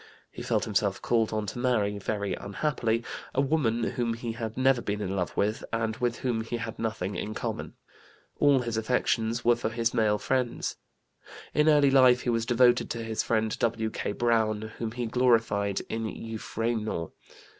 He felt himself called on to marry, very unhappily, a woman whom he had never been in love with and with whom he had nothing in common. All his affections were for his male friends. In early life he was devoted to his friend W.K. Browne, whom he glorified in Euphranor.